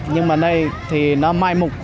nhưng mà đây thì nó mai mục